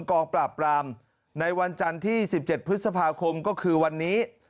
กองปราบปรามในวันจันทร์ที่๑๗พฤษภาคมก็คือวันนี้